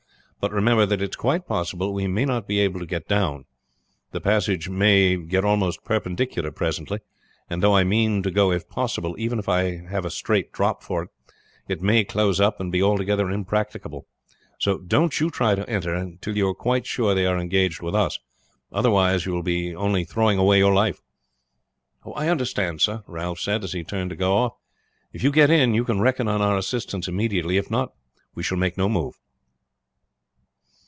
But remember that it is quite possible we may not be able to get down. This passage may get almost perpendicular presently; and though I mean to go if possible, even if I have a straight drop for it, it may close up and be altogether impracticable. So don't you try to enter till you are quite sure they are engaged with us, otherwise you will be only throwing away your life." "I understand, sir," Ralph said as he turned to go off. "If you get in you can reckon on our assistance immediately; if not, we shall make no move."